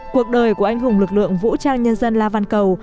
cuộc đời của anh hùng lực lượng vũ trang nhân dân la văn cầu